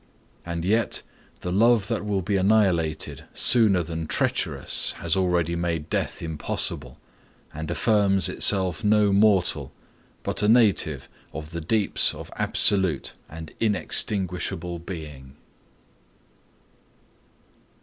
And yet the love that will be annihilated sooner than treacherous has already made death impossible, and affirms itself no mortal but a native of the deeps of absolute and inextinguishable being.